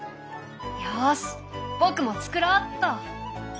よし僕もつくろうっと。